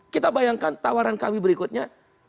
kita bayangkan tawaran kami berikutnya